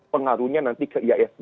pengaruhnya nanti ke iasg